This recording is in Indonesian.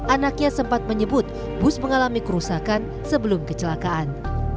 anaknya sempat menyebut bus mengalami kerusakan sebelum kecelakaan